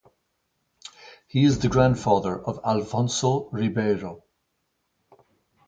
He is the grandfather of Alfonso Ribeiro.